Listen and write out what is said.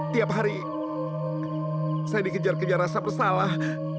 tiap hari saya dikejar kejar rasa bersalah